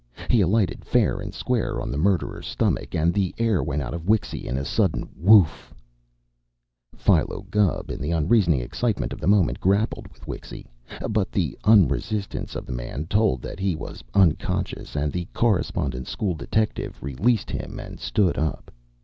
He alighted fair and square on the murderer's stomach, and the air went out of Wixy in a sudden whoof! Philo Gubb, in the unreasoning excitement of the moment, grappled with Wixy, but the unresistance of the man told that he was unconscious, and the Correspondence School detective released him and stood up.